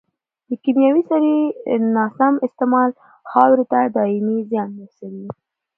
د کيمیاوي سرې ناسم استعمال خاورې ته دائمي زیان رسوي.